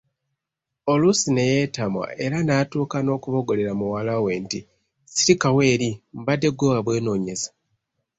Oluusi ne yeetamwa era n’atuuka n’okuboggolera muwalawe nti, Sirikawo eri mbadde ggwe wabwenoonyeza.